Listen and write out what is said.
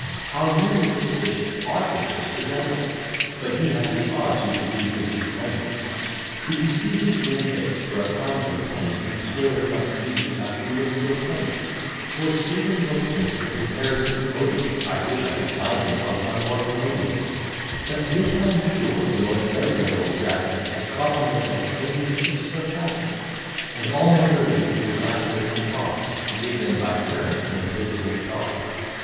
How nearly this bishop our bishops resembles! But he has the odds, who believes and who trembles, Could you see his grim grace, for a pound to a penny, You'd swear it must be the baboon of Kilkenny: Poor Satan will think the comparison odious, I wish I could find him out one more commodious; But, this I am sure, the most reverend old dragon Has got on the bench many bishops suffragan; And all men believe he resides there incog, To give them by turns an invisible jog.